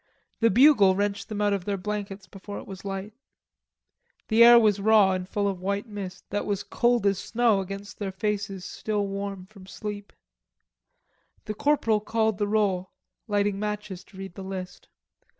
The bugle wrenched them out of their blankets before it was light. It was not raining. The air was raw and full of white mist that was cold as snow against their faces still warm from sleep. The corporal called the roll, lighting matches to read the list.